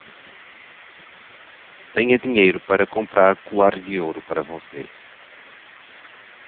Tenha dinheiro para comprar colares de ouro para você